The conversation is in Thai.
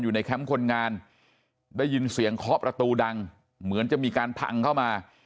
แคมป์คนงานได้ยินเสียงเคาะประตูดังเหมือนจะมีการพังเข้ามา